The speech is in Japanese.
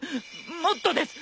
もっとです！